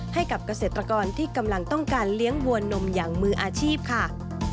ให้กับเกษตรกรที่กำลังต้องการเลี้ยงวัวนมอย่างมืออาชีพค่ะ